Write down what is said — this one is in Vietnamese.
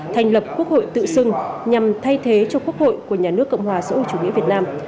thành lập quốc hội tự xưng nhằm thay thế cho quốc hội của nhà nước cộng hòa xã hội chủ nghĩa việt nam